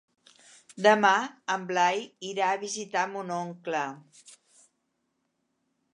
Demà en Blai irà a visitar mon oncle.